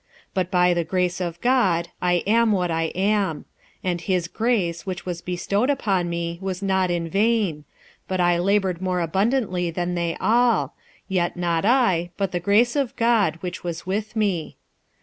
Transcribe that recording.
46:015:010 But by the grace of God I am what I am: and his grace which was bestowed upon me was not in vain; but I laboured more abundantly than they all: yet not I, but the grace of God which was with me.